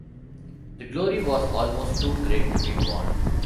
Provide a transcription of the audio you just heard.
The glory was almost too great to be borne.